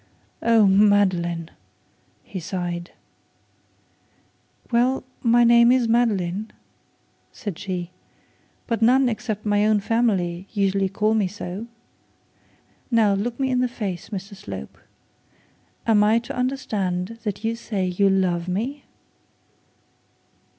'Oh, Madeline,' he sighed. 'Well, my name is Madeline,' said she; 'but none except my own family usually call me so. Now look me in the face, Mr Slope. Am I to understand that you say you love me?'